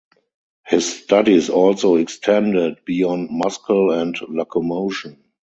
His studies also extended beyond muscle and locomotion.